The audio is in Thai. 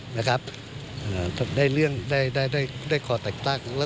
ได้ขอแต่งตั้ง